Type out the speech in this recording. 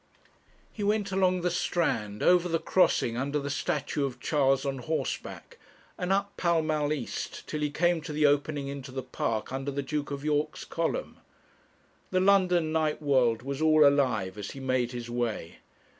He went along the Strand, over the crossing under the statue of Charles on horseback, and up Pall Mall East till he came to the opening into the park under the Duke of York's column. The London night world was all alive as he made his way.